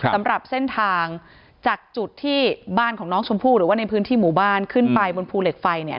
สำหรับเส้นทางจากจุดที่บ้านของน้องชมพู่หรือว่าในพื้นที่หมู่บ้านขึ้นไปบนภูเหล็กไฟเนี่ย